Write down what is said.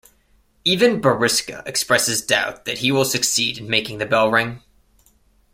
Even Boriska expresses doubts that he will succeed in making the bell ring.